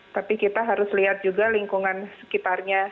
tapi kita harus lihat juga lingkungan sekitarnya